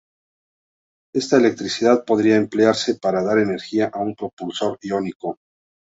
Esta electricidad podría emplearse para dar energía a un propulsor iónico.